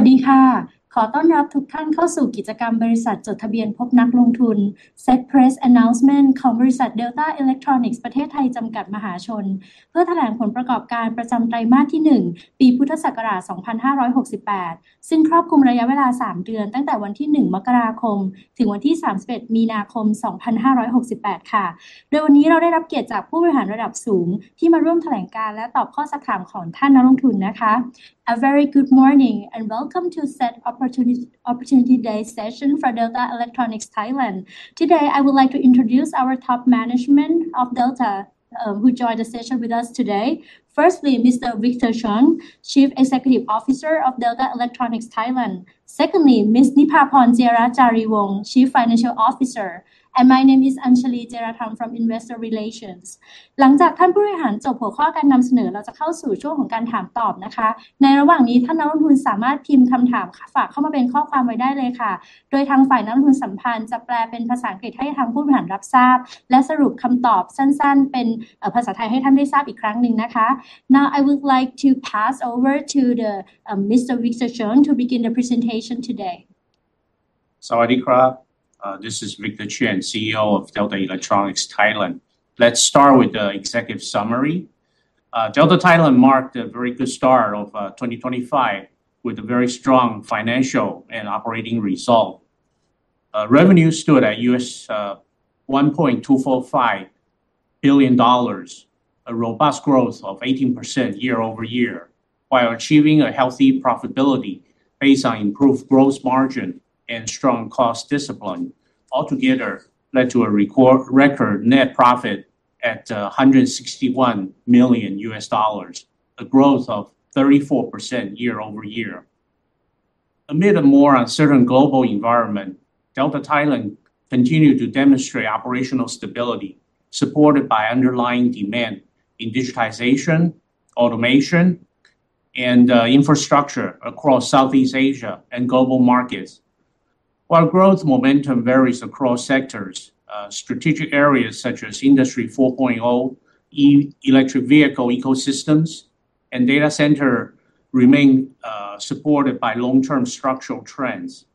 สวัสดีค่ะขอต้อนรับทุกท่านเข้าสู่กิจกรรมบริษัทจดทะเบียนพบนักลงทุน SET Press Announcement ของบริษัท Delta Electronics ประเทศไทยจำกัดมหาชนเพื่อแถลงผลประกอบการประจำไตรมาสที่หนึ่งปีพุทธศักราช 2568 ซึ่งครอบคลุมระยะเวลาสามเดือนตั้งแต่วันที่ 1 มกราคมถึงวันที่ 31 มีนาคม 2568 ค่ะโดยวันนี้เราได้รับเกียรติจากผู้บริหารระดับสูงที่มาร่วมแถลงการณ์และตอบข้อซักถามของท่านนักลงทุนนะคะ A very good morning and welcome to SET Opportunity Day Session for Delta Electronics (Thailand). Today, I would like to introduce our top management of Delta who join the session with us today. Firstly, Mr. Victor Cheng, Chief Executive Officer of Delta Electronics (Thailand). Secondly, Miss Nipaporn Jiarajareevong, Chief Financial Officer. My name is Anchalee Jieratham from Investor Relations. หลังจากท่านผู้บริหารจบหัวข้อการนำเสนอเราจะเข้าสู่ช่วงของการถามตอบนะคะในระหว่างนี้ท่านนักลงทุนสามารถพิมพ์คำถามฝากเข้ามาเป็นข้อความไว้ได้เลยค่ะโดยทางฝ่ายนักลงทุนสัมพันธ์จะแปลเป็นภาษาอังกฤษให้ทางผู้บริหารรับทราบและสรุปคำตอบสั้นๆเป็นภาษาไทยให้ท่านได้ทราบอีกครั้งหนึ่งนะคะ Now I would like to pass over to Mr. Victor Cheng to begin the presentation today. This is Victor Cheng, CEO of Delta Electronics (Thailand). Let's start with the executive summary. Delta Thailand marked a very good start of 2025 with a very strong financial and operating result. Revenue stood at $1.245 billion, a robust growth of 18% year-over-year, while achieving a healthy profitability based on improved gross margin and strong cost discipline. Altogether led to a record net profit at $161 million, a growth of 34% year-over-year. Amid a more uncertain global environment, Delta Thailand continued to demonstrate operational stability, supported by underlying demand in digitization, automation, and infrastructure across Southeast Asia and global markets. While growth momentum varies across sectors, strategic areas such as Industry 4.0, electric vehicle ecosystems, and data center remain supported by long-term structural trends.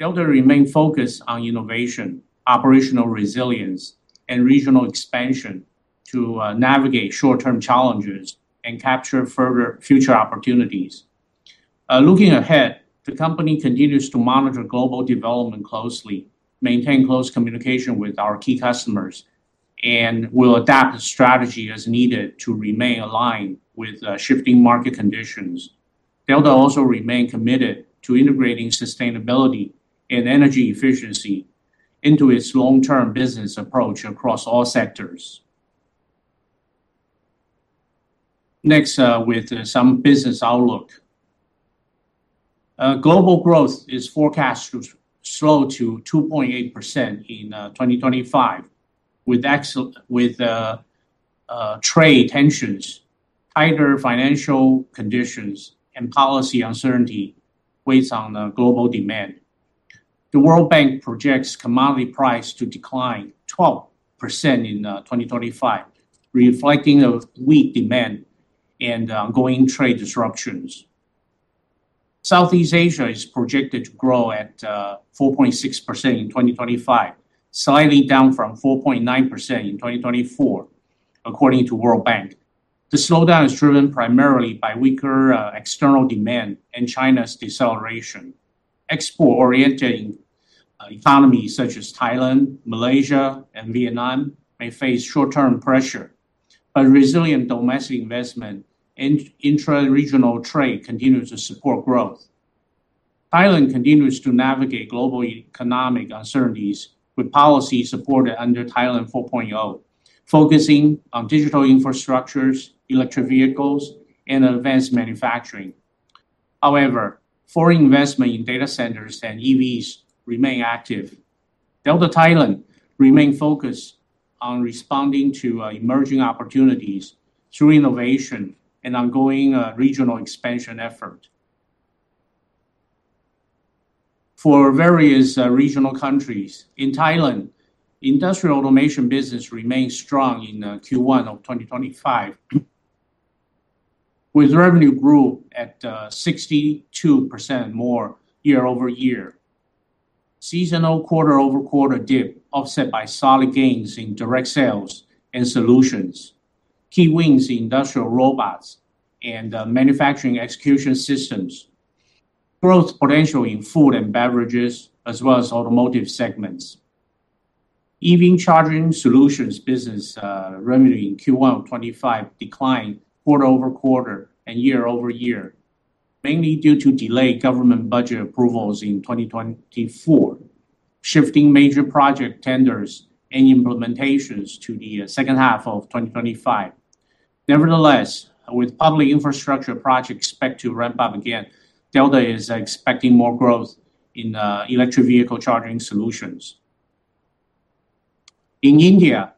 Delta remain focused on innovation, operational resilience, and regional expansion to navigate short-term challenges and capture further future opportunities. Looking ahead, the company continues to monitor global development closely, maintain close communication with our key customers, and will adapt strategy as needed to remain aligned with shifting market conditions. Delta also remain committed to integrating sustainability and energy efficiency into its long-term business approach across all sectors. Next, with some business outlook. Global growth is forecast to slow to 2.8% in 2025 with trade tensions, tighter financial conditions, and policy uncertainty weighs on the global demand. The World Bank projects commodity prices to decline 12% in 2025, reflecting a weak demand and ongoing trade disruptions. Southeast Asia is projected to grow at 4.6% in 2025, slightly down from 4.9% in 2024, according to World Bank. The slowdown is driven primarily by weaker external demand and China's deceleration. Export-oriented economies such as Thailand, Malaysia, and Vietnam may face short-term pressure, but resilient domestic investment and intra-regional trade continue to support growth. Thailand continues to navigate global economic uncertainties with policy support under Thailand 4.0, focusing on digital infrastructures, electric vehicles, and advanced manufacturing. However, foreign investment in data centers and EVs remain active. Delta Thailand remain focused on responding to emerging opportunities through innovation and ongoing regional expansion effort. For various regional countries. In Thailand, industrial automation business remains strong in Q1 of 2025 with revenue grew at 62% more year-over-year. Seasonal quarter-over-quarter dip offset by solid gains in direct sales and solutions. Key wins industrial robots and manufacturing execution systems. Growth potential in food and beverages as well as automotive segments. EV charging solutions business revenue in Q1 of 2025 declined quarter-over-quarter and year-over-year, mainly due to delayed government budget approvals in 2024, shifting major project tenders and implementations to the second half of 2025. Nevertheless, with public infrastructure projects expect to ramp up again, Delta is expecting more growth in electric vehicle charging solutions. In India.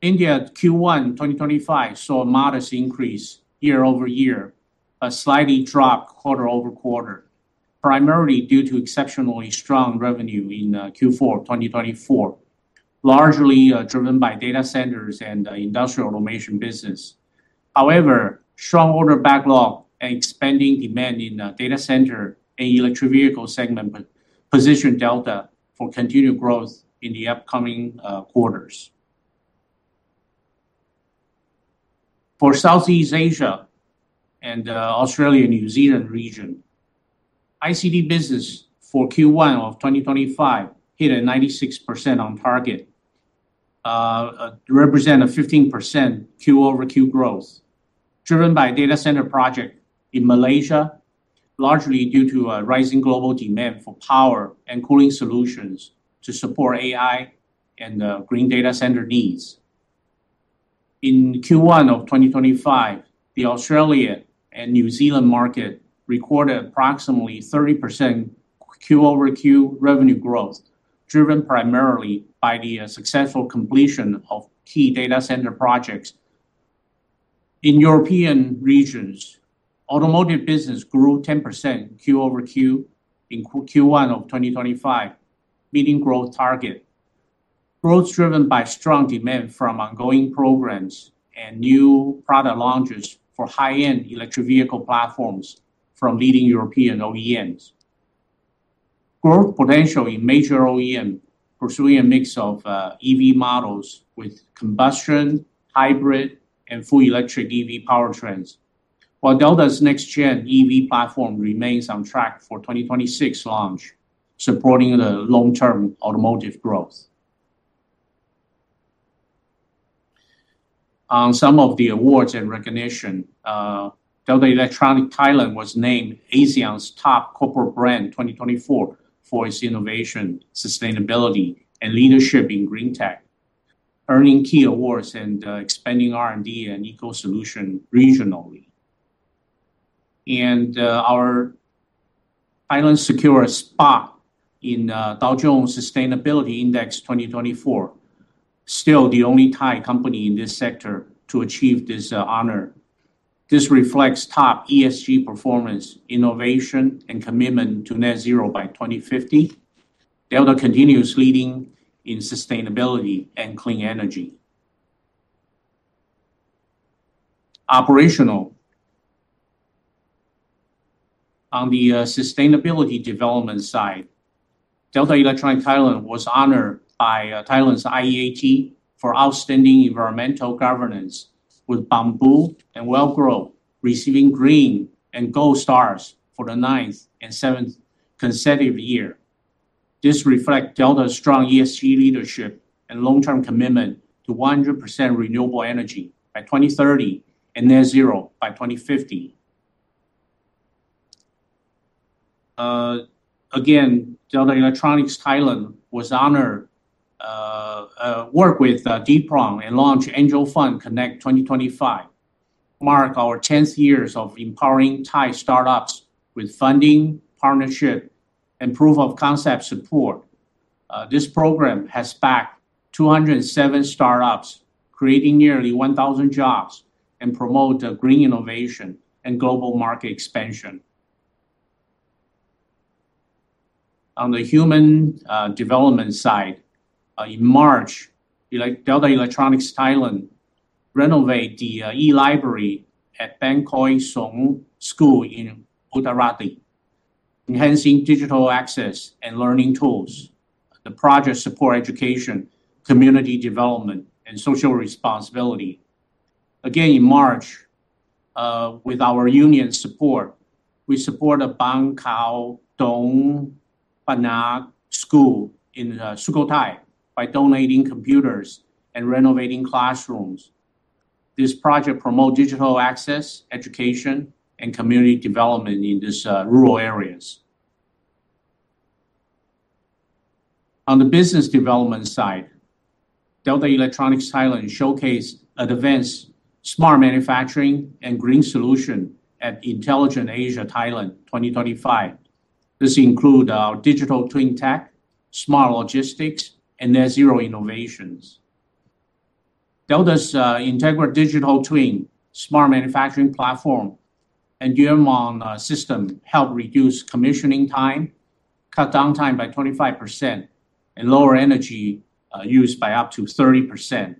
India Q1 2025 saw a modest increase year-over-year, but slightly dropped quarter-over-quarter, primarily due to exceptionally strong revenue in Q4 2024. Largely driven by data centers and industrial automation business. However, strong order backlog and expanding demand in data center and electric vehicle segment positioned Delta for continued growth in the upcoming quarters. For Southeast Asia and Australia/New Zealand region, ICT business for Q1 of 2025 hit a 96% on target. To represent a 15% quarter-over-quarter growth, driven by data center project in Malaysia, largely due to rising global demand for power and cooling solutions to support AI and green data center needs. In Q1 of 2025, the Australia and New Zealand market recorded approximately 30% quarter-over-quarter revenue growth, driven primarily by the successful completion of key data center projects. In European regions, automotive business grew 10% quarter-over-quarter in Q1 of 2025, meeting growth target. Growth driven by strong demand from ongoing programs and new product launches for high-end electric vehicle platforms from leading European OEMs. Growth potential in major OEM pursuing a mix of EV models with combustion, hybrid, and full electric EV powertrains, while Delta's next-gen EV platform remains on track for 2026 launch, supporting the long-term automotive growth. On some of the awards and recognition, Delta Electronics (Thailand) was named ASEAN's top corporate brand 2024 for its innovation, sustainability, and leadership in green tech, earning key awards and expanding R&D and eco solution regionally. Delta Electronics (Thailand) secured a spot in Dow Jones Sustainability Index 2024, still the only Thai company in this sector to achieve this honor. This reflects top ESG performance, innovation, and commitment to net zero by 2050. Delta continues leading in sustainability and clean energy. Operational. On the sustainability development side, Delta Electronics (Thailand) was honored by Thailand's IEAT for outstanding environmental governance, with Bangpoo and Wellgrow receiving green and gold stars for the ninth and seventh consecutive year. This reflects Delta's strong ESG leadership and long-term commitment to 100% renewable energy by 2030 and net zero by 2050. Again, Delta Electronics (Thailand) was honored to work with DIPROM and launch Angel Fund Connect 2025, mark our tenth years of empowering Thai startups with funding, partnership, and proof-of-concept support. This program has backed 207 startups, creating nearly 1,000 jobs, and promoting green innovation and global market expansion. On the human development side, in March, Delta Electronics (Thailand) renovate the e-library at Ban Khoi Sung School in Uttaradit, enhancing digital access and learning tools. The project support education, community development, and social responsibility. Again, in March, with our union support, we support the Ban Khao Thong Phang Ngab School in Sukhothai by donating computers and renovating classrooms. This project promote digital access, education, and community development in these rural areas. On the business development side, Delta Electronics (Thailand) showcase advanced smart manufacturing and green solution at Intelligent Asia Thailand 2025. This include digital twin tech, smart logistics, and net zero innovations. Delta's integrated digital twin smart manufacturing platform and Yuanwang system help reduce commissioning time, cut downtime by 25%, and lower energy used by up to 30%.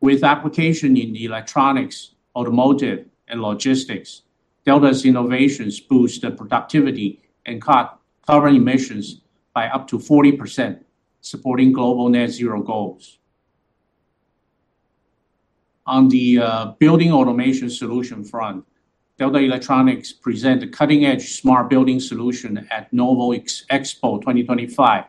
With application in electronics, automotive, and logistics, Delta's innovations boost the productivity and cut carbon emissions by up to 40%, supporting global net zero goals. On the building automation solution front, Delta Electronics present a cutting-edge smart building solution at NOVA Expo 2025,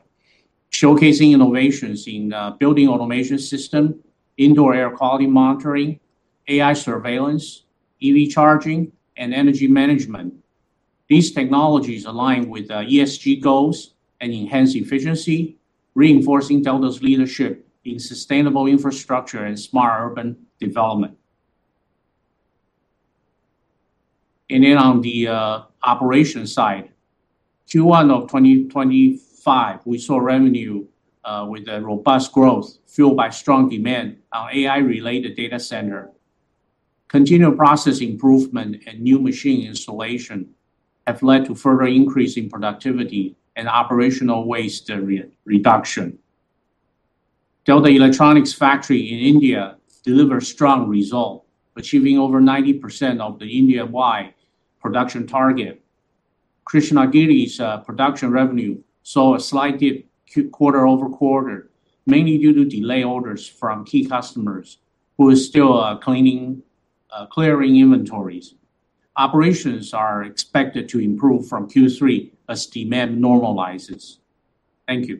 showcasing innovations in building automation system, indoor air quality monitoring, AI surveillance, EV charging, and energy management. These technologies align with ESG goals and enhance efficiency, reinforcing Delta's leadership in sustainable infrastructure and smart urban development. On the operation side, Q1 of 2025, we saw revenue with a robust growth fueled by strong demand on AI-related data center. Continued process improvement and new machine installation have led to further increase in productivity and operational waste reduction. Delta Electronics' factory in India delivers strong result, achieving over 90% of the India-wide production target. Krishnagiri's production revenue saw a slight dip quarter-over-quarter, mainly due to delayed orders from key customers who are still clearing inventories. Operations are expected to improve from Q3 as demand normalizes. Thank you.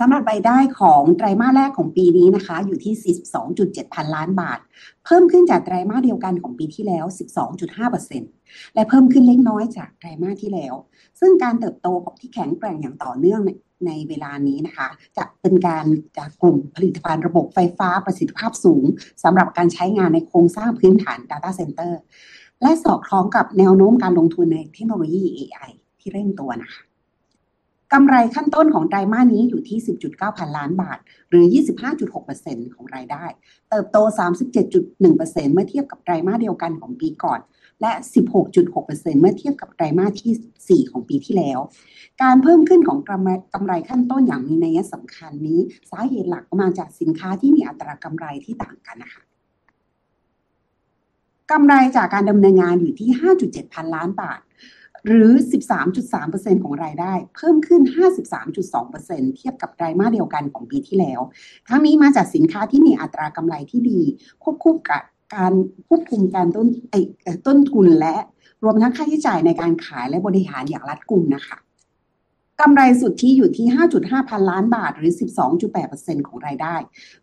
สำหรับรายได้ของไตรมาสแรกของปีนี้นะคะอยู่ที่สิบสองจุดเจ็ดพันล้านบาทเพิ่มขึ้นจากไตรมาสเดียวกันของปีที่แล้ว 12.5% และเพิ่มขึ้นเล็กน้อยจากไตรมาสที่แล้วซึ่งการเติบโตที่แข็งแกร่งอย่างต่อเนื่องในเวลานี้นะคะจะเป็นการจากกลุ่มผลิตภัณฑ์ระบบไฟฟ้าประสิทธิภาพสูงสำหรับการใช้งานในโครงสร้างพื้นฐาน Data Center และสอดคล้องกับแนวโน้มการลงทุนในเทคโนโลยี AI ที่เร่งตัวนะคะกำไรขั้นต้นของไตรมาสนี้อยู่ที่สิบจุดเก้าพันล้านบาทหรือ 25.6% ของรายได้เติบโต 37.1% เมื่อเทียบกับไตรมาสเดียวกันของปีก่อนและ 16.6% เมื่อเทียบกับไตรมาสที่สี่ของปีที่แล้วการเพิ่มขึ้นของกำไรขั้นต้นอย่างมีนัยสำคัญนี้สาเหตุหลักมาจากสินค้าที่มีอัตรากำไรที่ต่างกันนะคะกำไรจากการดำเนินงานอยู่ที่ห้าจุดเจ็ดพันล้านบาทหรือ 13.3% ของรายได้เพิ่มขึ้น 53.2% เทียบกับไตรมาสเดียวกันของปีที่แล้วทั้งนี้มาจากสินค้าที่มีอัตรากำไรที่ดีควบคู่กับการควบคุมต้นทุนและรวมทั้งค่าใช้จ่ายในการขายและบริหารอย่างรัดกุมนะคะกำไรสุทธิอยู่ที่ห้าจุดห้าพันล้านบาทหรือ 12.8% ของรายได้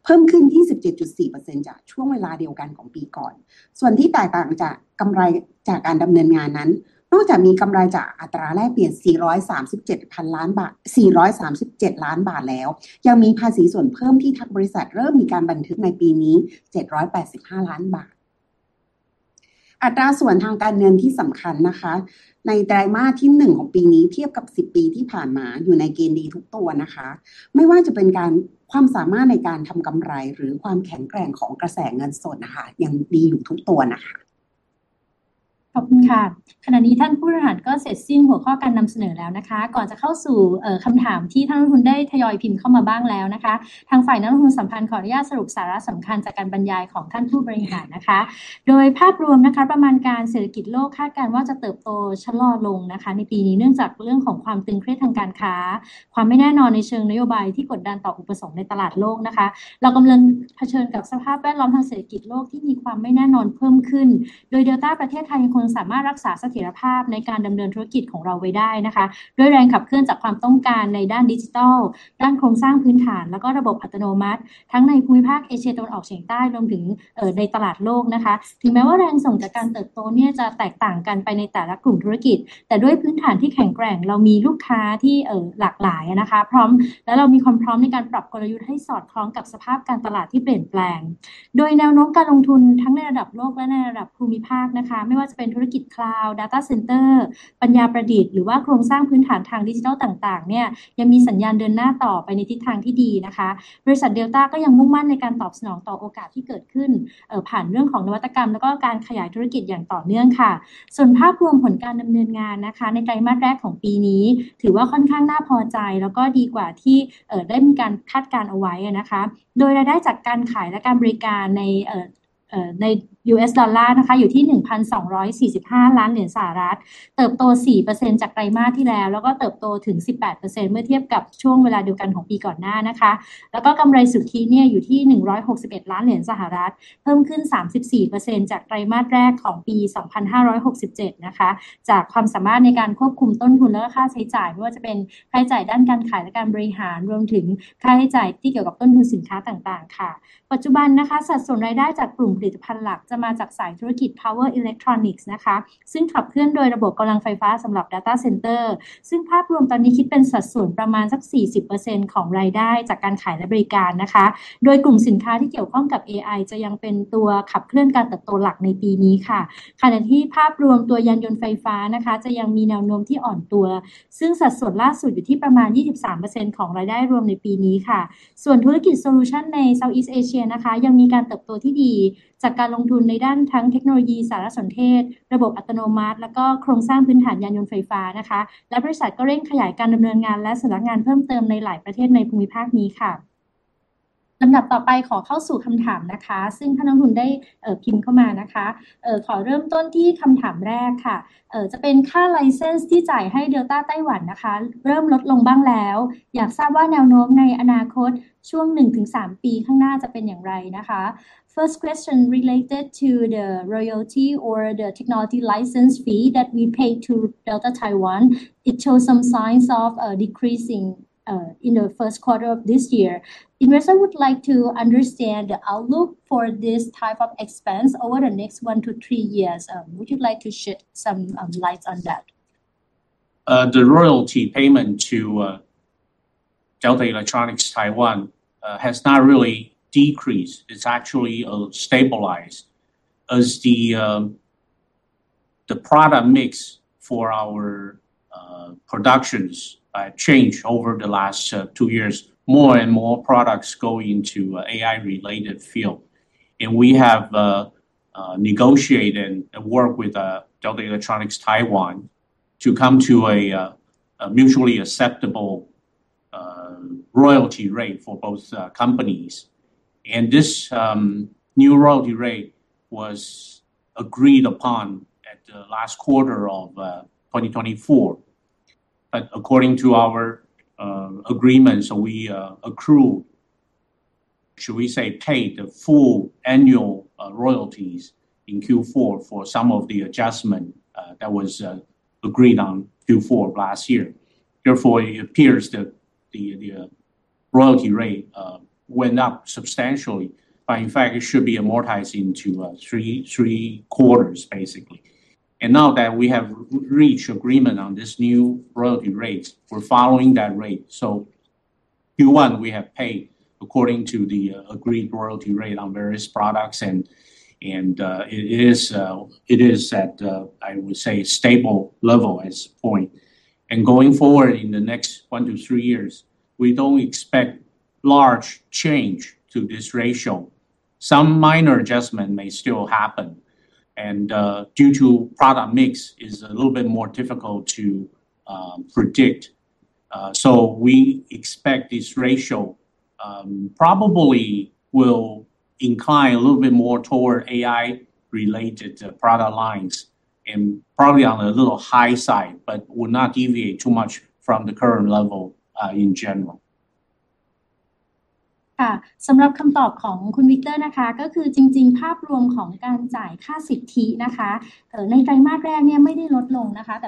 เพิ่มขึ้น 27.4% จากช่วงเวลาเดียวกันของปีก่อนส่วนที่แตกต่างจากกำไรจากการดำเนินงานนั้นนอกจากมีกำไรจากอัตราแลกเปลี่ยน 337 ล้านบาทแล้วยังมีภาษีส่วนเพิ่มที่ทางบริษัทเริ่มมีการบันทึกในปีนี้ 785 ล้านบาทอัตราส่วนทางการเงินที่สำคัญนะคะในไตรมาสที่หนึ่งของปีนี้เทียบกับสิบปีที่ผ่านมาอยู่ในเกณฑ์ดีทุกตัวนะคะไม่ว่าจะเป็นความสามารถในการทำกำไรหรือความแข็งแกร่งของกระแสเงินสดนะคะยังดีอยู่ทุกตัวนะคะขอบคุณค่ะขณะนี้ท่านผู้บริหารก็เสร็จสิ้นหัวข้อการนำเสนอแล้วนะคะก่อนจะเข้าสู่คำถามที่ท่านนักลงทุนได้ทยอยพิมพ์เข้ามาบ้างแล้วนะคะทางฝ่ายนักลงทุนสัมพันธ์ขออนุญาตสรุปสาระสำคัญจากการบรรยายของท่านผู้บริหารนะคะโดยภาพรวมนะคะประมาณการเศรษฐกิจโลกคาดการณ์ว่าจะเติบโตชะลอลงนะคะในปีนี้เนื่องจากเรื่องของความตึงเครียดทางการค้าความไม่แน่นอนในเชิงนโยบายที่กดดันต่ออุปสงค์ในตลาดโลกนะคะเรากำลังเผชิญกับสภาพแวดล้อมทางเศรษฐกิจโลกที่มีความไม่แน่นอนเพิ่มขึ้นโดย Delta ประเทศไทยยังคงสามารถรักษาเสถียรภาพในการดำเนินธุรกิจของเราไว้ได้นะคะด้วยแรงขับเคลื่อนจากความต้องการในด้านดิจิทัลด้านโครงสร้างพื้นฐานแล้วก็ระบบอัตโนมัติทั้งในภูมิภาคเอเชียตะวันออกเฉียงใต้รวมถึงในตลาดโลกนะคะถึงแม้ว่าแรงส่งจากการเติบโตเนี่ยจะแตกต่างกันไปในแต่ละกลุ่มธุรกิจแต่ด้วยพื้นฐานที่แข็งแกร่งเรามีลูกค้าที่หลากหลายนะคะพร้อมและเรามีความพร้อมในการปรับกลยุทธ์ให้สอดคล้องกับสภาพการตลาดที่เปลี่ยนแปลงโดยแนวโน้มการลงทุนทั้งในระดับโลกและในระดับภูมิภาคนะคะไม่ว่าจะเป็นธุรกิจ Cloud, Data Center, ปัญญาประดิษฐ์หรือว่าโครงสร้างพื้นฐานทางดิจิทัลต่างๆเนี่ยยังมีสัญญาณเดินหน้าต่อไปในทิศทางที่ดีนะคะบริษัท Delta ก็ยังมุ่งมั่นในการตอบสนองต่อโอกาสที่เกิดขึ้นผ่านเรื่องของนวัตกรรมแล้วก็การขยายธุรกิจอย่างต่อเนื่องค่ะส่วนภาพรวมผลการดำเนินงานนะคะในไตรมาสแรกของปีนี้ถือว่าค่อนข้างน่าพอใจแล้วก็ดีกว่าที่ได้มีการคาดการณ์เอาไว้นะคะโดยรายได้จากการขายและการบริการใน USD นะคะอยู่ที่ US$1,245 ล้านเติบโต 4% จากไตรมาสที่แล้วแล้วก็เติบโตถึง 18% เมื่อเทียบกับช่วงเวลาเดียวกันของปีก่อนหน้านะคะแล้วก็กำไรสุทธิเนี่ยอยู่ที่ US$161 ล้านเพิ่มขึ้น 34% จากไตรมาสแรกของปี 2567 นะคะจากความสามารถในการควบคุมต้นทุนและค่าใช้จ่ายไม่ว่าจะเป็นค่าใช้จ่ายด้านการขายและการบริหารรวมถึงค่าใช้จ่ายที่เกี่ยวกับต้นทุนสินค้าต่างๆค่ะปัจจุบันนะคะสัดส่วนรายได้จากกลุ่มผลิตภัณฑ์หลักจะมาจากสาย Power Electronics นะคะซึ่งขับเคลื่อนโดยระบบกำลังไฟฟ้าสำหรับ Data Center ซึ่งภาพรวมตอนนี้คิดเป็นสัดส่วนประมาณ 40% ของรายได้จากการขายและบริการนะคะโดยกลุ่มสินค้าที่เกี่ยวข้องกับ AI จะยังเป็นตัวขับเคลื่อนการเติบโตหลักในปีนี้ค่ะขณะที่ภาพรวมตัวยานยนต์ไฟฟ้านะคะจะยังมีแนวโน้มที่อ่อนตัวซึ่งสัดส่วนล่าสุดอยู่ที่ประมาณ 23% ของรายได้รวมในปีนี้ค่ะส่วนธุรกิจ Solution ใน Southeast Asia นะคะยังมีการเติบโตที่ดีจากการลงทุนในด้านทั้งเทคโนโลยีสารสนเทศระบบอัตโนมัติแล้วก็โครงสร้างพื้นฐานยานยนต์ไฟฟ้านะคะและบริษัทก็เร่งขยายการดำเนินงานและสำนักงานเพิ่มเติมในหลายประเทศในภูมิภาคนี้ค่ะลำดับต่อไปขอเข้าสู่คำถามนะคะซึ่งท่านนักลงทุนได้พิมพ์เข้ามานะคะขอเริ่มต้นที่คำถามแรกค่ะจะเป็นค่า License ที่จ่ายให้ Delta ไต้หวันนะคะเริ่มลดลงบ้างแล้วอยากทราบว่าแนวโน้มในอนาคตช่วงหนึ่งถึงสามปีข้างหน้าจะเป็นอย่างไรนะคะ First question related to the royalty or the technology license fee that we paid to Delta Taiwan. It shows some signs of decreasing in the first quarter of this year. Investors would like to understand the outlook for this type of expense over the next 1-3 years. Would you like to shed some light on that? The royalty payment to Delta Electronics Taiwan has not really decreased. It's actually stabilized as the product mix for our productions change over the last two years. More and more products go into AI related field, and we have negotiated and worked with Delta Electronics Taiwan to come to a mutually acceptable royalty rate for both companies. This new royalty rate was agreed upon at the last quarter of 2024. According to our agreement, we accrue, should we say, pay the full annual royalties in Q4 for some of the adjustment that was agreed on Q4 last year. Therefore, it appears that the royalty rate went up substantially, but in fact it should be amortized into three quarters, basically. Now that we have reached agreement on this new royalty rate, we're following that rate. Q1 we have paid according to the agreed royalty rate on various products. It is at, I would say, stable level at this point. Going forward in the next 1-3 years, we don't expect large change to this ratio. Some minor adjustment may still happen and due to product mix is a little bit more difficult to predict. So we expect this ratio probably will incline a little bit more toward AI related product lines and probably on a little high side, but would not deviate too much from the current level in general. สำหรับคำตอบของคุณ Victor นะคะก็คือจริงๆภาพรวมของการจ่ายค่าสิทธิ์นะคะในไตรมาสแรกเนี่ยไม่ได้ลดลงนะคะ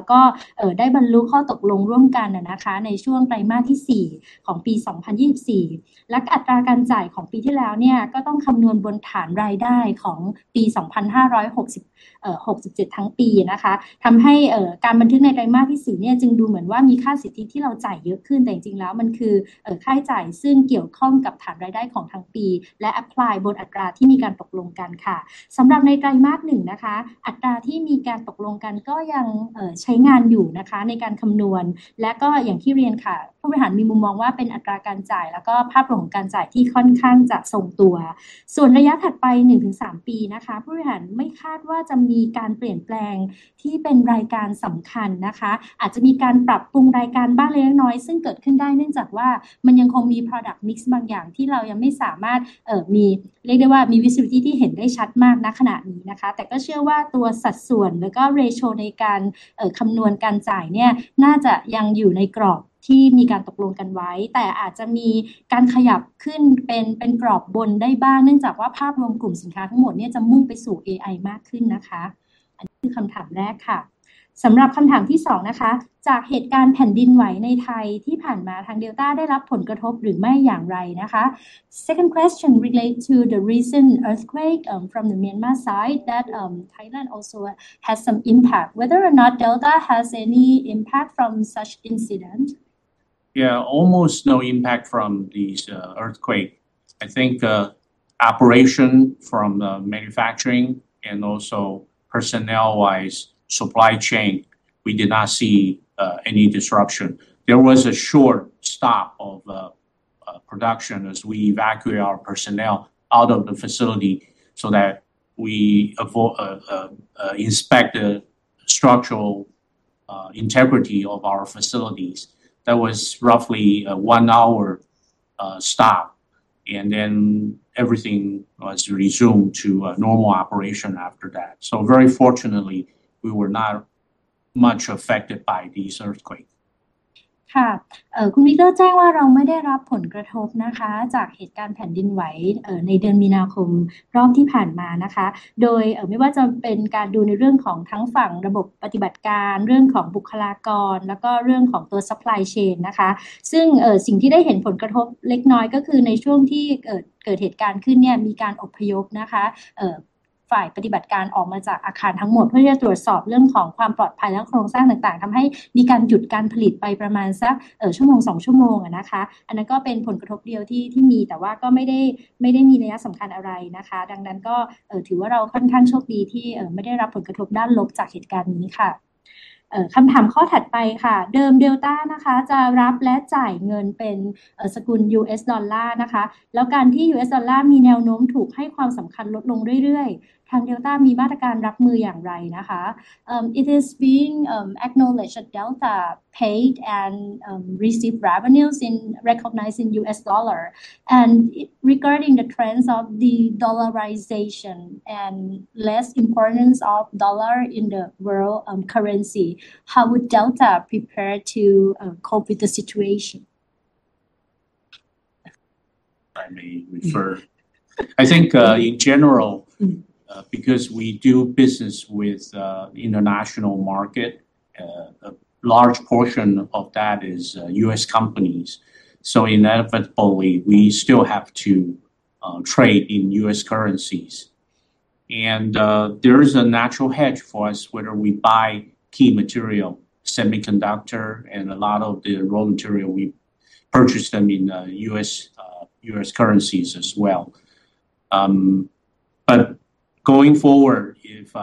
แต่ผู้บริหารมองว่าเป็นการจ่ายในอัตราที่ทรงตัวค่ะสืบเนื่องจากว่าถ้าเราเท้าความนะคะเรื่องของส่วนผสมของสินค้าเราหรือ Product Mix เนี่ยมีการเปลี่ยนแปลงอย่างมากในช่วงหนึ่งถึงสองปีที่ผ่านมานะคะโดยสินค้าค่อนข้างจะมุ่งไปสู่ผลิตภัณฑ์ที่เกี่ยวข้องกับเทคโนโลยี AI ค่ะซึ่งในปีที่แล้วเนี่ยได้มีการเจรจากับทางบริษัทแม่ไต้หวันแล้วก็ได้บรรลุข้อตกลงร่วมกันนะคะในช่วงไตรมาสที่สี่ของปี 2024 และอัตราการจ่ายของปีที่แล้วเนี่ยก็ต้องคำนวณบนฐานรายได้ของปี 2,567 ทั้งปีนะคะทำให้การบันทึกในไตรมาสที่สี่เนี่ยจึงดูเหมือนว่ามีค่าสิทธิ์ที่เราจ่ายเยอะขึ้นแต่จริงๆแล้วมันคือค่าใช้จ่ายซึ่งเกี่ยวข้องกับฐานรายได้ของทั้งปีและ apply บนอัตราที่มีการตกลงกันค่ะสำหรับในไตรมาสหนึ่งนะคะอัตราที่มีการตกลงกันก็ยังใช้งานอยู่นะคะในการคำนวณและก็อย่างที่เรียนค่ะผู้บริหารมีมุมมองว่าเป็นอัตราการจ่ายแล้วก็ภาพรวมของการจ่ายที่ค่อนข้างจะทรงตัวส่วนระยะถัดไปหนึ่งถึงสามปีนะคะผู้บริหารไม่คาดว่าจะมีการเปลี่ยนแปลงที่เป็นรายการสำคัญนะคะอาจจะมีการปรับปรุงรายการบ้างเล็กน้อยๆซึ่งเกิดขึ้นได้เนื่องจากว่ามันยังคงมี Product Mix บางอย่างที่เรายังไม่สามารถมีเรียกได้ว่ามี visibility ที่เห็นได้ชัดมากณขณะนี้นะคะแต่ก็เชื่อว่าตัวสัดส่วนแล้วก็ ratio ในการคำนวณการจ่ายเนี่ยน่าจะยังอยู่ในกรอบที่มีการตกลงกันไว้แต่อาจจะมีการขยับขึ้นเป็นกรอบบนได้บ้างเนื่องจากว่าภาพรวมกลุ่มสินค้าทั้งหมดเนี่ยจะมุ่งไปสู่ AI มากขึ้นนะคะอันนี้คือคำถามแรกค่ะสำหรับคำถามที่สองนะคะจากเหตุการณ์แผ่นดินไหวในไทยที่ผ่านมาทาง Delta ได้รับผลกระทบหรือไม่อย่างไรนะคะ Second question relate to the recent earthquake, from the Myanmar side that Thailand also has some impact. Whether or not Delta has any impact from such incident? Yeah, almost no impact from these earthquake. I think operation from the manufacturing and also personnel-wise supply chain, we did not see any disruption. There was a short stop of production as we evacuate our personnel out of the facility so that we inspect the structural integrity of our facilities. That was roughly a one-hour stop, and then everything was resumed to normal operation after that. Very fortunately, we were not much affected by this earthquake. คุณ Victor แจ้งว่าเราไม่ได้รับผลกระทบนะคะจากเหตุการณ์แผ่นดินไหวในเดือนมีนาคมรอบที่ผ่านมานะคะโดยไม่ว่าจะเป็นการดูในเรื่องของทั้งฝั่งระบบปฏิบัติการเรื่องของบุคลากรแล้วก็เรื่องของตัว Supply Chain นะคะซึ่งสิ่งที่ได้เห็นผลกระทบเล็กน้อยก็คือในช่วงที่เกิดเหตุการณ์ขึ้นเนี่ยมีการอพยพนะคะคำถามข้อถัดไปค่ะเดิม Delta นะคะจะรับและจ่ายเงินเป็นสกุล US ดอลลาร์นะคะแล้วการที่ US ดอลลาร์มีแนวโน้มถูกให้ความสำคัญลดลงเรื่อยๆทาง Delta มีมาตรการรับมืออย่างไรนะคะ It is acknowledged that Delta paid and received revenues in US dollar. Regarding the trends of the dollarization and less importance of dollar in the world, currency, how would Delta prepare to cope with the situation? I think in general, because we do business with international market, a large portion of that is U.S. companies. Inevitably, we still have to trade in U.S. currencies. There is a natural hedge for us whether we buy key materials, semiconductors and a lot of the raw materials, we purchase them in U.S. currencies as well. Going forward, if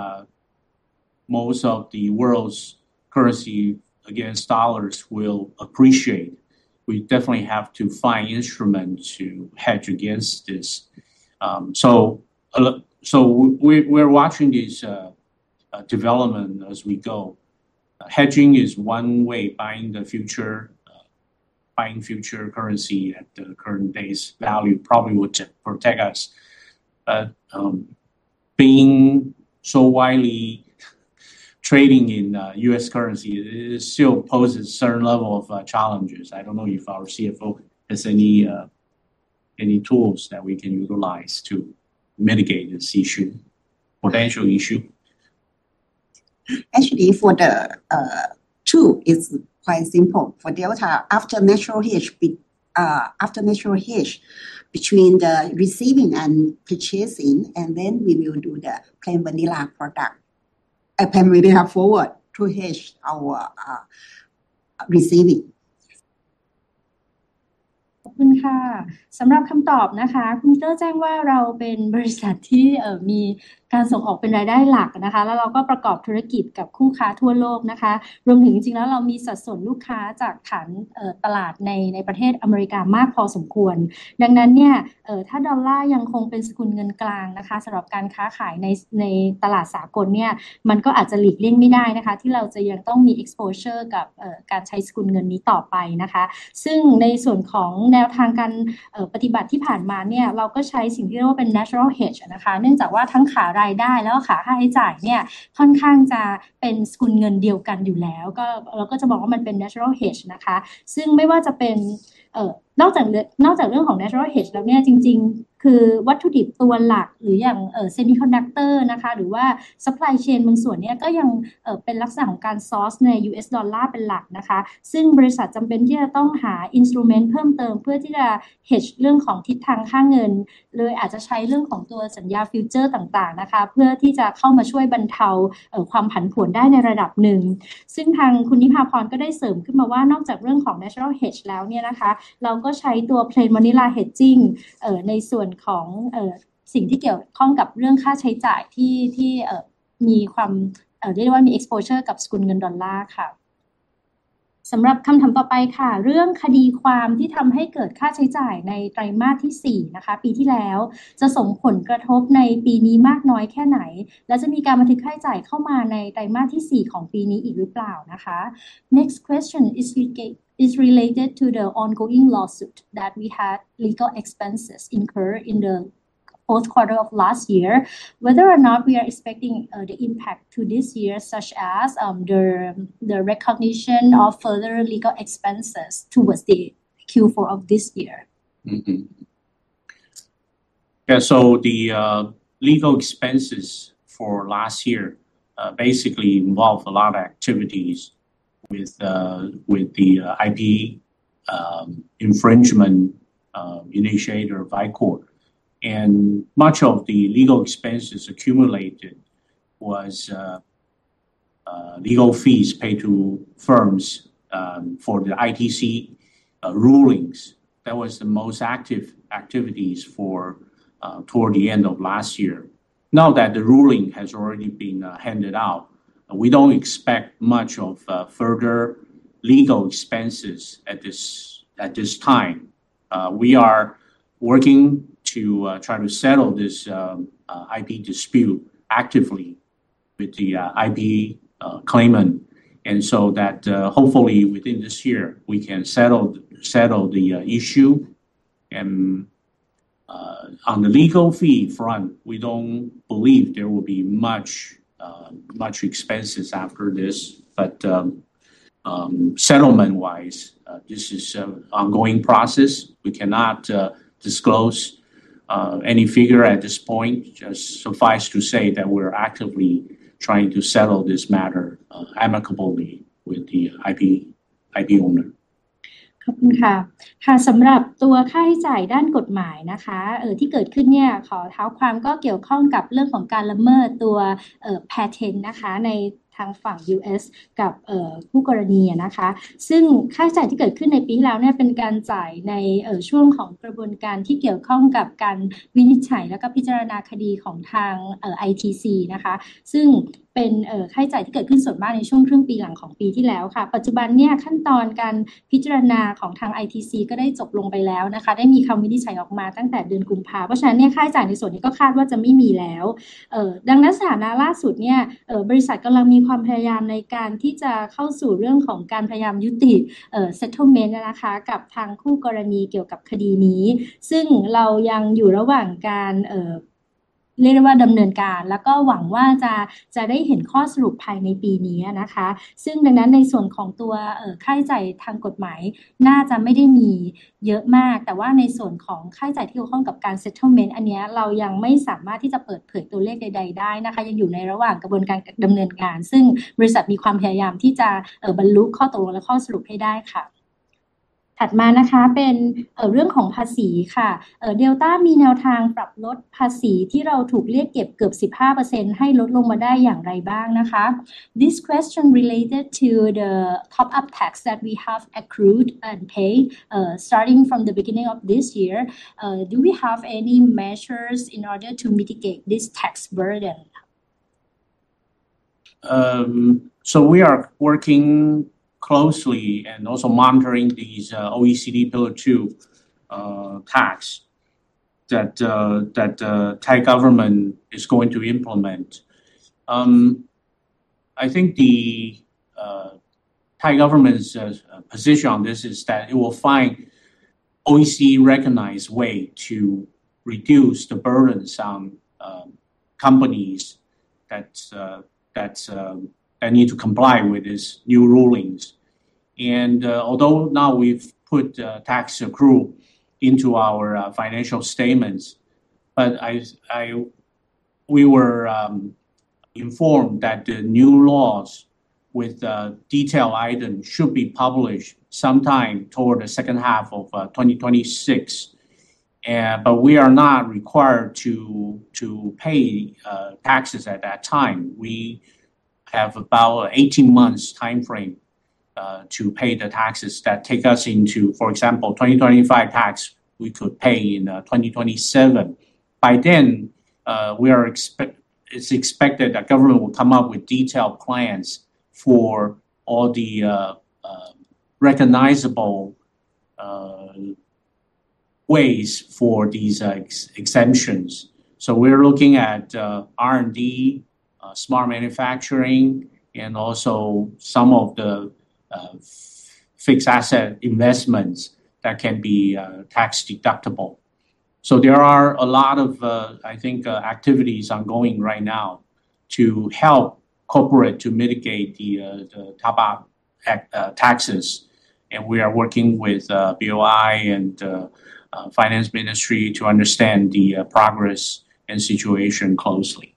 most of the world's currencies against the dollar will appreciate, we definitely have to find instruments to hedge against this. We're watching this development as we go. Hedging is one way, buying futures, buying future currency at the current base value probably would protect us. Being so widely trading in U.S. currency, it still poses a certain level of challenges. I don't know if our CFO has any tools that we can utilize to mitigate this issue. Potential issue. Actually, for the tool is quite simple. For Delta after natural hedge between the receiving and purchasing, and then we will do the plain vanilla forward to hedge our receiving. Next question is related to the ongoing lawsuit that we had legal expenses incurred in the fourth quarter of last year, whether or not we are expecting the impact to this year, such as the recognition of further legal expenses towards the Q4 of this year. The legal expenses for last year basically involved a lot of activities with the IP infringement initiator, Vicor. Much of the legal expenses accumulated was legal fees paid to firms for the ITC rulings. That was the most active activities toward the end of last year. Now that the ruling has already been handed out, we don't expect much of further legal expenses at this time. We are working to try to settle this IP dispute actively with the IP claimant, so that hopefully within this year, we can settle the issue. On the legal fee front, we don't believe there will be much expenses after this. Settlement-wise, this is an ongoing process. We cannot disclose any figure at this point. Just suffice to say that we're actively trying to settle this matter amicably with the IP owner. เรียกได้ว่าดำเนินการแล้วก็หวังว่าจะได้เห็นข้อสรุปภายในปีนี้นะคะซึ่งดังนั้นในส่วนของค่าใช้จ่ายทางกฎหมายน่าจะไม่ได้มีเยอะมากแต่ว่าในส่วนของค่าใช้จ่ายที่เกี่ยวข้องกับการ Settlement อันนี้เรายังไม่สามารถที่จะเปิดเผยตัวเลขใดๆได้นะคะยังอยู่ในระหว่างกระบวนการดำเนินการซึ่งบริษัทมีความพยายามที่จะบรรลุข้อตกลงและข้อสรุปให้ได้ค่ะถัดมานะคะเป็นเรื่องของภาษีค่ะ Delta มีแนวทางปรับลดภาษีที่เราถูกเรียกเก็บเกือบ 15% ให้ลดลงมาได้อย่างไรบ้างนะคะ This question related to the top up tax that we have accrued and pay starting from the beginning of this year. Do we have any measures in order to mitigate this tax burden? We are working closely and also monitoring these OECD Pillar Two tax that Thai government is going to implement. I think the Thai government's position on this is that it will find OECD recognized way to reduce the burden on companies that need to comply with these new rulings. Although now we've put tax accrual into our financial statements, but we were informed that the new laws with detailed items should be published sometime toward the second half of 2026. We are not required to pay taxes at that time. We have about 18 months time frame to pay the taxes that take us into, for example, 2025 tax we could pay in 2027. By then, it's expected that government will come up with detailed plans for all the recognizable ways for these exemptions. We're looking at R&D, smart manufacturing, and also some of the fixed asset investments that can be tax deductible. There are a lot of, I think, activities ongoing right now to help corporate to mitigate the top up taxes. We are working with BOI and Finance Ministry to understand the progress and situation closely.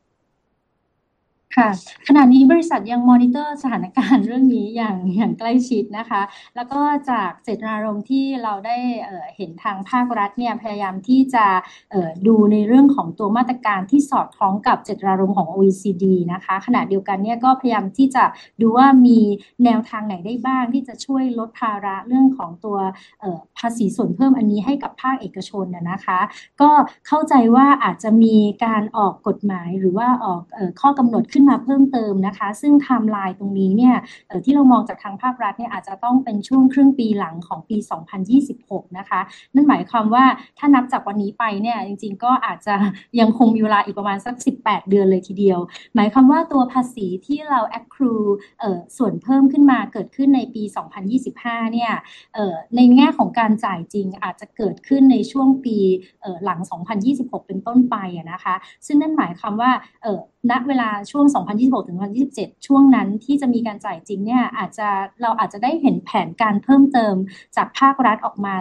ค่ะขณะนี้บริษัทยังคง monitor สถานการณ์เรื่องนี้อย่างใกล้ชิดนะคะแล้วก็จากเจตนารมณ์ที่เราได้เห็นทางภาครัฐเนี่ยพยายามที่จะดูในเรื่องของตัวมาตรการที่สอดคล้องกับเจตนารมณ์ของ OECD นะคะขณะเดียวกันเนี่ยก็พยายามที่จะดูว่ามีแนวทางไหนได้บ้างที่จะช่วยลดภาระเรื่องของตัวภาษีส่วนเพิ่มอันนี้ให้กับภาคเอกชนนะคะก็เข้าใจว่าอาจจะมีการออกกฎหมายหรือว่าออกข้อกำหนดขึ้นมาเพิ่มเติมนะคะซึ่ง timeline ตรงนี้เนี่ยที่เรามองจากทางภาครัฐเนี่ยอาจจะต้องเป็นช่วงครึ่งปีหลังของปี 2026 นะคะนั่นหมายความว่าถ้านับจากวันนี้ไปเนี่ยจริงๆก็อาจจะยังคงมีเวลาอีกประมาณสักสิบแปดเดือนเลยทีเดียวหมายความว่าตัวภาษีที่เรา accrue ส่วนเพิ่มขึ้นมาเกิดขึ้นในปี 2025 เนี่ยในแง่ของการจ่ายจริงอาจจะเกิดขึ้นในช่วงปีหลัง 2026 เป็นต้นไปนะคะซึ่งนั่นหมายความว่าณเวลาช่วง 2026 ถึง 2027 ช่วงนั้นที่จะมีการจ่ายจริงเนี่ยอาจจะเราอาจจะได้เห็นแผนการเพิ่มเติมจากภาครัฐออกมา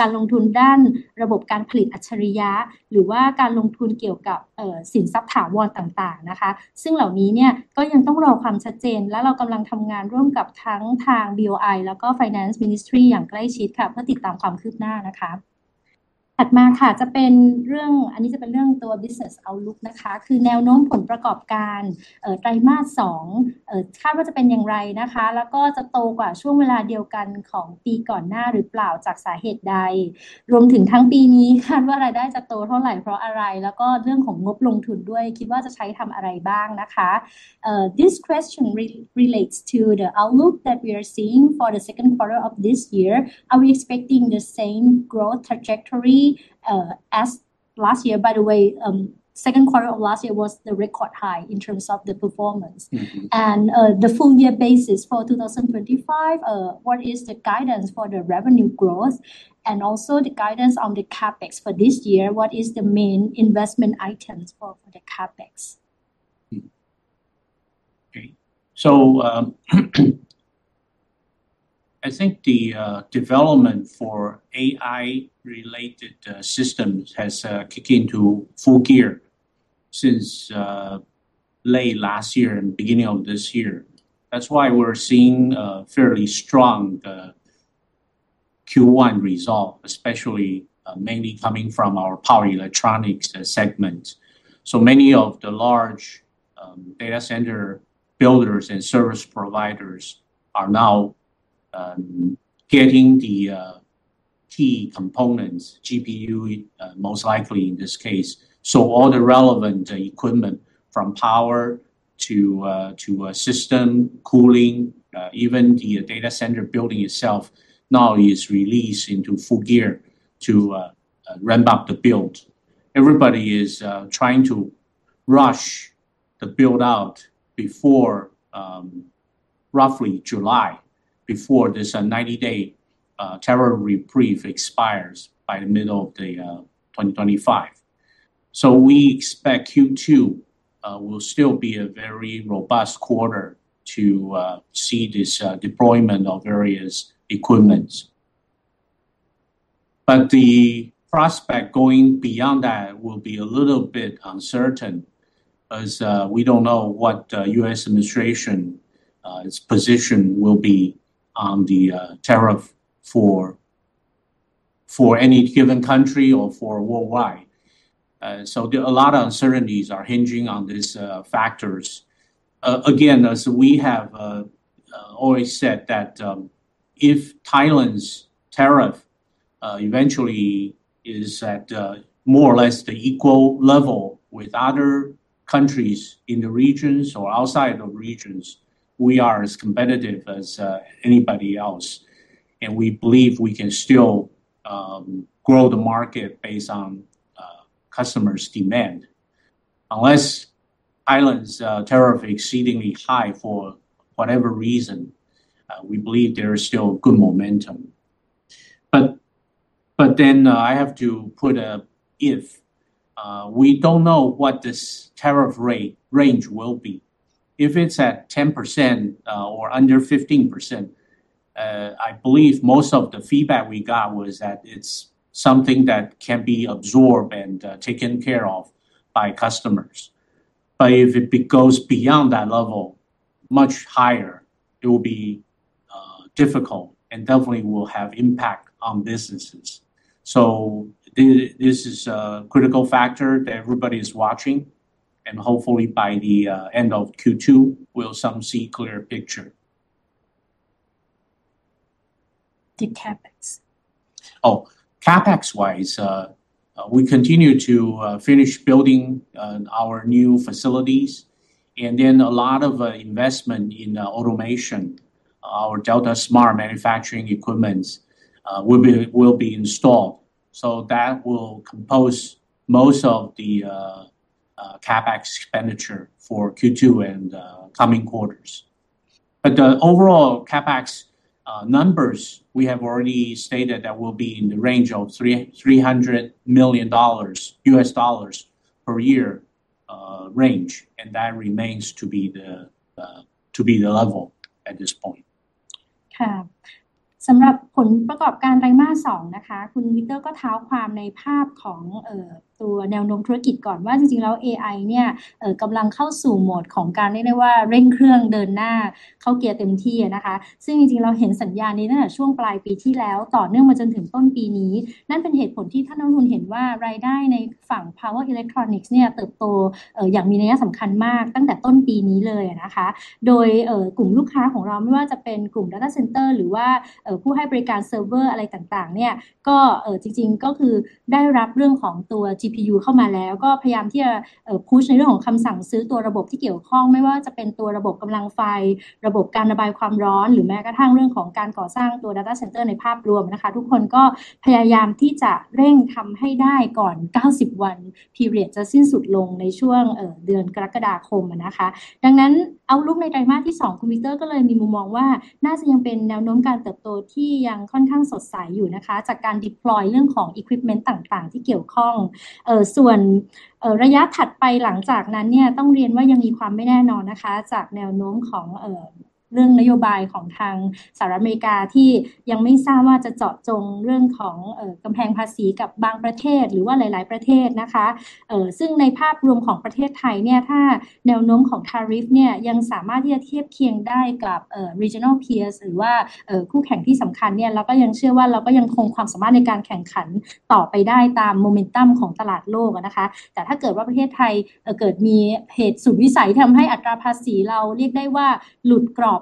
การลงทุนด้านระบบการผลิตอัจฉริยะหรือว่าการลงทุนเกี่ยวกับสินทรัพย์ถาวรต่างๆนะคะซึ่งเหล่านี้เนี่ยก็ยังต้องรอความชัดเจนและเรากำลังทำงานร่วมกับทั้งทาง BOI แล้วก็ Ministry of Finance อย่างใกล้ชิดค่ะเพื่อติดตามความคืบหน้านะคะถัดมาค่ะจะเป็นเรื่องอันนี้จะเป็นเรื่องตัว business outlook นะคะคือแนวโน้มผลประกอบการไตรมาสสองคาดว่าจะเป็นอย่างไรนะคะแล้วก็จะโตกว่าช่วงเวลาเดียวกันของปีก่อนหน้าหรือเปล่าจากสาเหตุใดรวมถึงทั้งปีนี้คาดว่ารายได้จะโตเท่าไหร่เพราะอะไรแล้วก็เรื่องของงบลงทุนด้วยคิดว่าจะใช้ทำอะไรบ้างนะคะ This question relates to the outlook that we are seeing for the second quarter of this year. Are we expecting the same growth trajectory as last year? By the way, second quarter of last year was the record high in terms of the performance. อือหื้อ The full year basis for 2025, what is the guidance for the revenue growth and also the guidance on the CapEx for this year? What is the main investment items for the CapEx? I think the development for AI related systems has kicked into full gear since late last year and beginning of this year. That's why we're seeing a fairly strong Q1 result, especially mainly coming from our power electronics segment. Many of the large data center builders and service providers are now getting the key components, GPU most likely in this case. All the relevant equipment from power to system cooling. Even the data center building itself now is released into full gear to ramp up the build. Everybody is trying to rush the build out before roughly July, before this 90-day tariff reprieve expires by the middle of 2025. We expect Q2 will still be a very robust quarter to see this deployment of various equipment. The prospect going beyond that will be a little bit uncertain as we don't know what U.S. administration's position will be on the tariff for any given country or for worldwide. A lot of uncertainties are hinging on these factors. Again, as we have always said that if Thailand's tariff eventually is at more or less the equal level with other countries in the regions or outside of regions, we are as competitive as anybody else. We believe we can still grow the market based on customers' demand. Unless Thailand's tariff exceedingly high for whatever reason, we believe there is still good momentum. I have to put an if. We don't know what this tariff rate range will be. If it's at 10% or under 15%, I believe most of the feedback we got was that it's something that can be absorbed and taken care of by customers. If it goes beyond that level, much higher, it will be difficult and definitely will have impact on businesses. This is a critical factor that everybody is watching. Hopefully by the end of Q2, we'll soon see a clear picture. The CapEx. Oh, CapEx-wise, we continue to finish building our new facilities. A lot of investment in automation, our Delta Smart Manufacturing equipment will be installed. That will compose most of the CapEx expenditure for Q2 and coming quarters. The overall CapEx numbers, we have already stated that will be in the range of $300 million US dollars per year range. That remains to be the level at this point. สำหรับผลประกอบการไตรมาส 2 นะคะคุณ Victor ก็เท้าความในภาพของตัวแนวโน้มธุรกิจก่อนว่าจริงๆแล้ว AI เนี่ยกำลังเข้าสู่โหมดของการเรียกได้ว่าเร่งเครื่องเดินหน้าเข้าเกียร์เต็มที่อะนะคะซึ่งจริงๆเราเห็นสัญญาณนี้ตั้งแต่ช่วงปลายปีที่แล้วต่อเนื่องมาจนถึงต้นปีนี้นั่นเป็นเหตุผลที่ท่านนักลงทุนเห็นว่ารายได้ในฝั่ง Power Electronics เนี่ยเติบโตอย่างมีนัยสำคัญมากตั้งแต่ต้นปีนี้เลยอะนะคะโดยกลุ่มลูกค้าของเราไม่ว่าจะเป็นกลุ่ม Data Center หรือว่าผู้ให้บริการ Server อะไรต่างๆเนี่ยก็จริงๆก็คือได้รับเรื่องของตัว GPU เข้ามาแล้วก็พยายามที่จะ push ในเรื่องของคำสั่งซื้อตัวระบบที่เกี่ยวข้องไม่ว่าจะเป็นตัวระบบกำลังไฟระบบการระบายความร้อนหรือแม้กระทั่งเรื่องของการก่อสร้างตัว Data Center ในภาพรวมนะคะทุกคนก็พยายามที่จะเร่งทำให้ได้ก่อน 90 วัน period จะสิ้นสุดลงในช่วงเดือนกรกฎาคมอะนะคะดังนั้น outlook ในไตรมาสที่ 2 คุณ Victor ก็เลยมีมุมมองว่าน่าจะยังเป็นแนวโน้มการเติบโตที่ยังค่อนข้างสดใสอยู่นะคะจากการ deploy เรื่องของ equipment จากแนวโน้มของเรื่องนโยบายของทางสหรัฐอเมริกาที่ยังไม่ทราบว่าจะเจาะจงเรื่องของกำแพงภาษีกับบางประเทศหรือว่าหลายๆประเทศนะคะซึ่งในภาพรวมของประเทศไทยเนี่ยถ้าแนวโน้มของ tariff เนี่ยยังสามารถที่จะเทียบเคียงได้กับ regional peers หรือว่าคู่แข่งที่สำคัญเนี่ยเราก็ยังเชื่อว่าเราก็ยังคงความสามารถในการแข่งขันต่อไปได้ตาม momentum ของตลาดโลกอะนะคะแต่ถ้าเกิดว่าประเทศไทยเกิดมีเหตุสุดวิสัยที่ทำให้อัตราภาษีเราเรียกได้ว่าหลุดกรอบไปจากของประเทศใกล้เคียง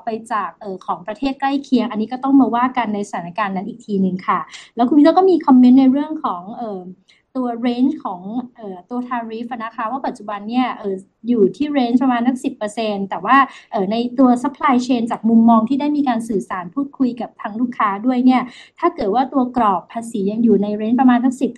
อันนี้ก็ต้องมาว่ากันในสถานการณ์นั้นอีกทีนึงค่ะแล้วคุณ Victor ก็มี comment ในเรื่องของตัว range ของตัว tariff อะนะคะว่าปัจจุบันเนี่ยอยู่ที่ range ประมาณสัก 10% แต่ว่าในตัว supply chain จากมุมมองที่ได้มีการสื่อสารพูดคุยกับทางลูกค้าด้วยเนี่ยถ้าเกิดว่าตัวกรอบภาษียังอยู่ใน range ประมาณสัก 10-15%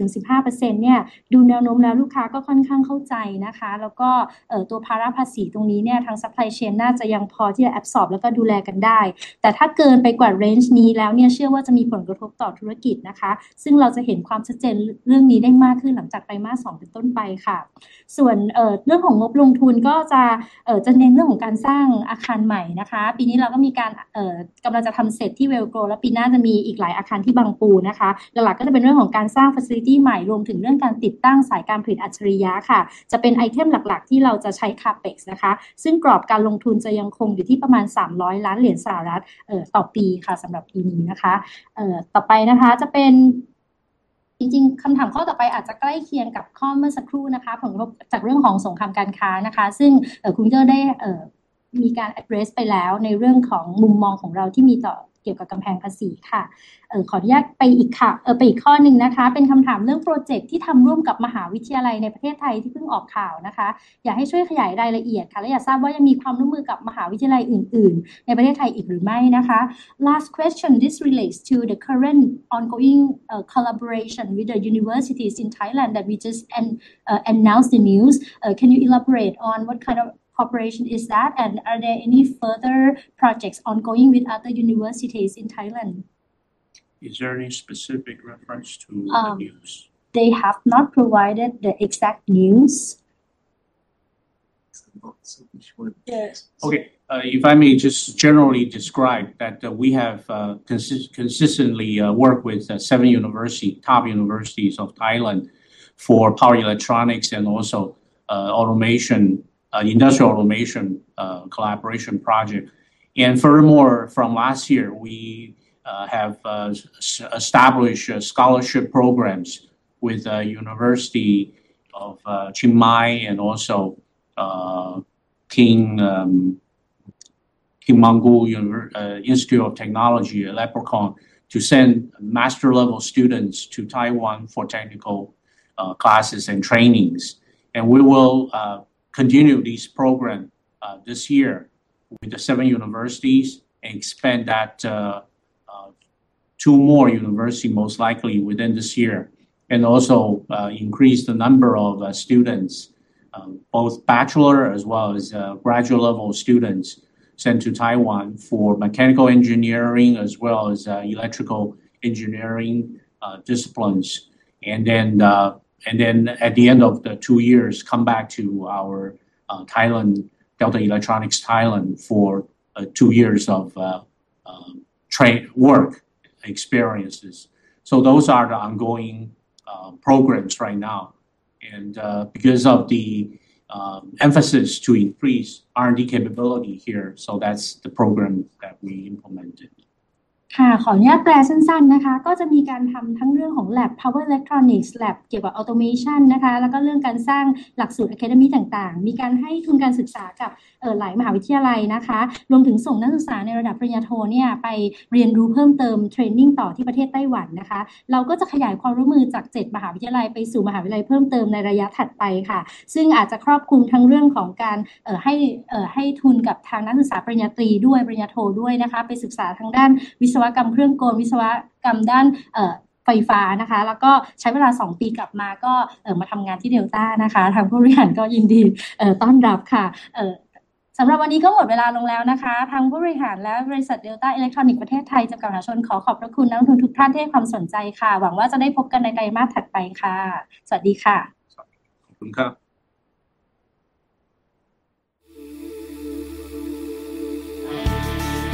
เนี่ยดูแนวโน้มแล้วลูกค้าก็ค่อนข้างเข้าใจนะคะแล้วก็ตัวภาระภาษีตรงนี้เนี่ยทาง supply chain น่าจะยังพอที่จะ absorb แล้วก็ดูแลกันไปได้แต่ถ้าเกินไปกว่า range นี้แล้วเนี่ยเชื่อว่าจะมีผลกระทบต่อธุรกิจนะคะซึ่งเราจะเห็นความชัดเจนเรื่องนี้ได้มากขึ้นหลังจากไตรมาส 2 เป็นต้นไปค่ะส่วนเรื่องของงบลงทุนก็จะเน้นเรื่องของการสร้างอาคารใหม่นะคะปีนี้เราก็มีการกำลังจะทำเสร็จที่ Wellgrow และปีหน้าจะมีอีกหลายอาคารที่ Bangpoo นะคะหลักๆก็จะเป็นเรื่องของการสร้าง facility ใหม่รวมถึงเรื่องการติดตั้งสายการผลิตอัจฉริยะค่ะจะเป็น item หลักๆที่เราจะใช้ CapEx นะคะซึ่งกรอบการลงทุนจะยังคงอยู่ที่ประมาณ USD 300 ล้านต่อปีค่ะสำหรับปีนี้นะคะต่อไปนะคะจะเป็นจริงๆคำถามข้อต่อไปอาจจะใกล้เคียงกับข้อเมื่อสักครู่นะคะของงบจากเรื่องของสงครามการค้านะคะซึ่งคุณ Victor ได้มีการ address ไปแล้วในเรื่องของมุมมองของเราที่มีต่อเกี่ยวกับกำแพงภาษีค่ะขออนุญาตไปอีกค่ะไปอีกข้อหนึ่งนะคะเป็นคำถามเรื่อง project ที่ทำร่วมกับมหาวิทยาลัยในประเทศไทยที่เพิ่งออกข่าวนะคะอยากให้ช่วยขยายรายละเอียดค่ะและอยากทราบว่ายังมีความร่วมมือกับมหาวิทยาลัยอื่นๆในประเทศไทยอีกหรือไม่นะคะ Last question, this relates to the current ongoing collaboration with the universities in Thailand that we just announced the news. Can you elaborate on what kind of cooperation is that and are there any further projects ongoing with other universities in Thailand? Is there any specific reference to the news? They have not provided the exact news. Okay, if I may just generally describe that we have consistently work with seven university, top universities of Thailand for Power Electronics and also automation industrial automation collaboration project. Furthermore from last year we have established scholarship programs with University of Chiang Mai and also King Mongkut's Institute of Technology Ladkrabang to send master level students to Taiwan for technical classes and trainings. We will continue this program this year with the seven universities and expand that to more university most likely within this year. Also increase the number of students both bachelor as well as graduate level students sent to Taiwan for mechanical engineering as well as electrical engineering disciplines. Then at the end of the two years come back to our Delta Electronics (Thailand) for two years of work experiences. Those are the ongoing programs right now. Because of the emphasis to increase R&D capability here, so that's the program that we implemented. ขออนุญาตแปลสั้นๆนะคะก็จะมีการทำทั้งเรื่องของ Lab Power Electronics Lab เกี่ยวกับ Automation นะคะแล้วก็เรื่องการสร้างหลักสูตร Academic ต่างๆมีการให้ทุนการศึกษากับหลายมหาวิทยาลัยนะคะรวมถึงส่งนักศึกษาในระดับปริญญาโทเนี่ยไปเรียนรู้เพิ่มเติม Training ต่อที่ประเทศไต้หวันนะคะเราก็จะขยายความร่วมมือจากเจ็ดมหาวิทยาลัยไปสู่มหาวิทยาลัยเพิ่มเติมในระยะถัดไปค่ะซึ่งอาจจะครอบคลุมทั้งเรื่องของการให้ทุนกับทางนักศึกษาปริญญาตรีด้วยปริญญาโทด้วยนะคะไปศึกษาทางด้านวิศวกรรมเครื่องกลวิศวกรรมด้านไฟฟ้านะคะแล้วก็ใช้เวลาสองปีกลับมาก็มาทำงานที่ Delta นะคะทางผู้บริหารก็ยินดีต้อนรับค่ะสำหรับวันนี้ก็หมดเวลาลงแล้วนะคะทางผู้บริหารและบริษัท Delta Electronics (Thailand) PCL ขอขอบพระคุณนักลงทุนทุกท่านที่ให้ความสนใจค่ะหวังว่าจะได้พบกันในไตรมาสถัดไปค่ะสวัสดีค่ะขอบคุณครับ